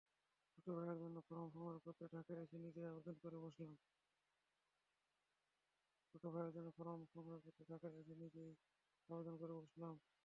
ছোট ভাইয়ের জন্য ফরম সংগ্রহ করতে ঢাকায় এসে নিজেই আবেদন করে বসলাম।